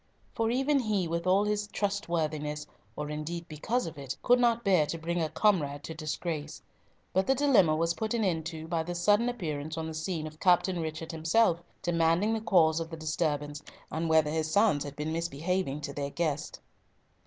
For even he, with all his trustworthiness, or indeed because of it, could not bear to bring a comrade to disgrace; but the dilemma was put an end to by the sudden appearance on the scene of Captain Richard himself, demanding the cause of the disturbance, and whether his sons had been misbehaving to their guest.